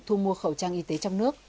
thu mua khẩu trang y tế trong nước